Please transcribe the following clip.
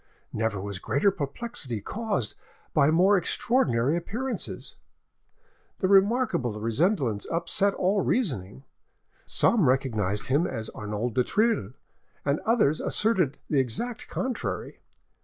Never was greater perplexity caused by more extraordinary appearances. The remarkable resemblance upset all reasoning: some recognised him as Arnauld du Thill, and others asserted the exact contrary.